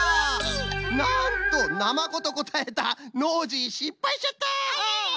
なんとナマコとこたえたノージーしっぱいしちゃった！